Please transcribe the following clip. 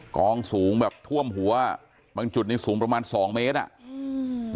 กองสูงแบบท่วมหัวบางจุดนี่สูงประมาณสองเมตรอ่ะอืม